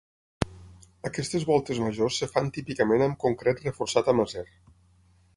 Aquestes voltes majors es fan típicament amb concret reforçat amb acer.